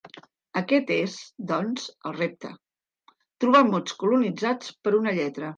Aquest és, doncs, el repte: trobar mots colonitzats per una lletra.